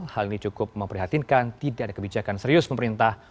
hal ini cukup memprihatinkan tidak ada kebijakan serius pemerintah